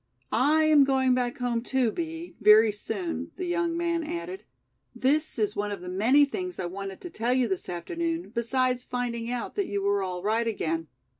"I am going back home too, Bee, very soon," the young man added. "This is one of the many things I wanted to tell you this afternoon, besides finding out that you were all right again.